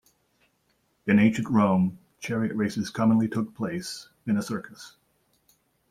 In ancient Rome, chariot races commonly took place in a circus.